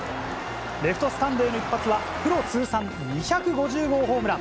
レフトスタンドへの一発は、プロ通算２５０号ホームラン。